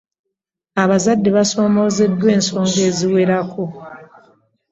Abazadde basoomoozeddwa ensonga eziwerako.